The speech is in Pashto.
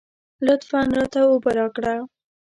لطفاً راته اوبه راکړه.